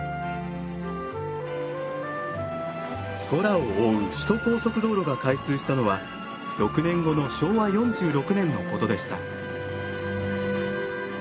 空を覆う首都高速道路が開通したのは６年後の昭和４６年のことでした。